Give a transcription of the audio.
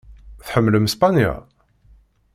Tḥemmlem Spanya?